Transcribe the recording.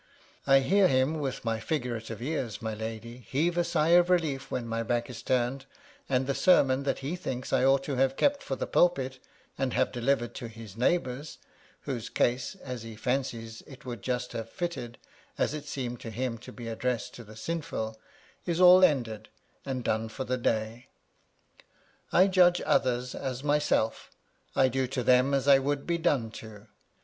I hear him, with my figurative ears, my lady, heave a sigh of relief when my back is turned, and the sermon that he thinks I ought to have kept for the pulpit, and have delivered to his neighbours (whose case, as he £Bincies, it would just have fitted, as it seemed to him to be addressed to the sinful), is all ended, and done for the day. I judge others as myself; I do to them as I would be done to.